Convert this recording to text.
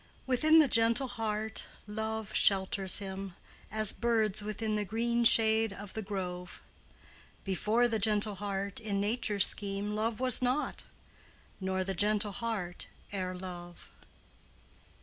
"Within the gentle heart Love shelters him, As birds within the green shade of the grove. Before the gentle heart, in Nature's scheme, Love was not, nor the gentle heart ere Love."